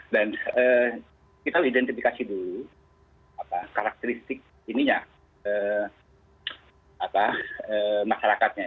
dan kita identifikasi dulu karakteristik masyarakatnya